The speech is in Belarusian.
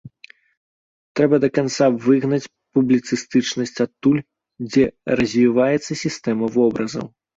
Трэба да канца выгнаць публіцыстычнасць адтуль, дзе развіваецца сістэма вобразаў.